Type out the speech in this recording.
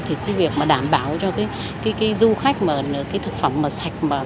thì việc đảm bảo cho du khách thực phẩm sạch